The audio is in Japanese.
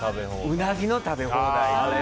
ウナギの食べ放題ね。